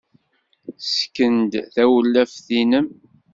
Ssken-d tawlaft-nnem.